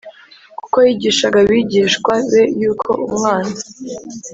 kuko yigishaga abigishwa be yuko Umwana